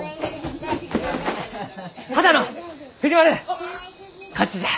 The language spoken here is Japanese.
波多野藤丸こっちじゃ！